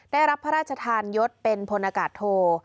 ได้รับพระราชทานยศเป็นพลอากาศโท